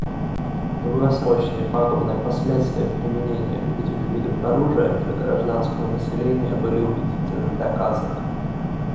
Долгосрочные пагубные последствия применения этих видов оружия для гражданского населения были убедительно доказаны.